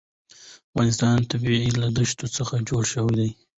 د افغانستان طبیعت له دښتې څخه جوړ شوی دی.